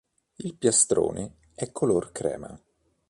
Il piastrone è color crema.